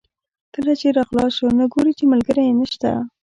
کله چې را خلاص شو نو ګوري چې ملګری یې نشته.